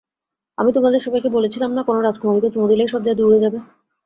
আমি তোমাদের সবাইকে বলেছিলাম না, কোনো রাজকুমারীকে চুমু দিলেই সব জাদু উড়ে যাবে।